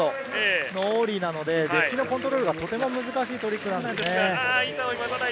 そのオーリーなのでデッキのコントロールがとても難しいんです。